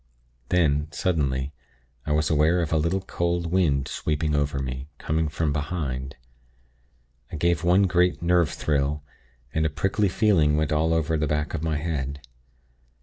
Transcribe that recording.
Then, suddenly, I was aware of a little, cold wind sweeping over me, coming from behind. I gave one great nerve thrill, and a prickly feeling went all over the back of my head.